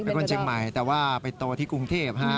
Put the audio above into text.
คนเชียงใหม่แต่ว่าไปโตที่กรุงเทพฮะ